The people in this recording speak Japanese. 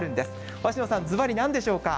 鷲野さん、ずばり何でしょうか？